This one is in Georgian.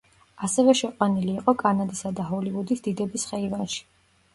ასევე შეყვანილი იყო კანადისა და ჰოლივუდის დიდების ხეივანში.